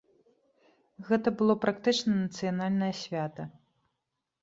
Гэта было практычна нацыянальнае свята.